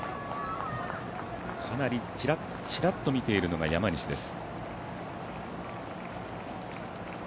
かなり、ちらっと見ているのが山西です。